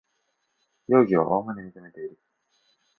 容疑をおおむね認めている